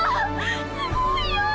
すごいよぉ！